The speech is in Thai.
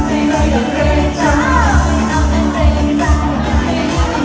ไม่ดีกว่าเกรงใจไม่เอาและเกรงใจ